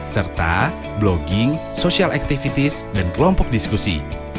serta blogging social activities dan kelompok diskusi